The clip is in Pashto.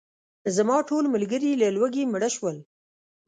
زما ټول ملګري له لوږې مړه شول.